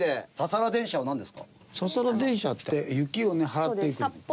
ササラ電車って雪をね払っていくの。